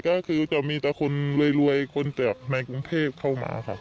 ก็คือจะมีแต่คนรวยคนจากในกรุงเทพเข้ามาครับ